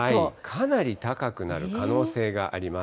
かなり高くなる可能性があります。